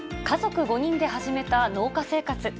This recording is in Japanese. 家族５人で始めた農家生活。